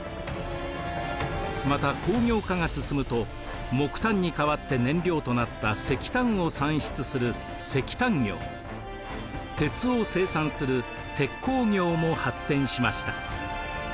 また工業化が進むと木炭に代わって燃料となった石炭を産出する石炭業鉄を生産する鉄鋼業も発展しました。